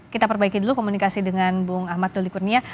kita perbaiki dulu komunikasi dengan bung ahmad doli kurnia